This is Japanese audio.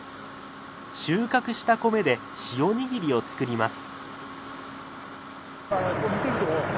収穫した米で塩にぎりを作ります。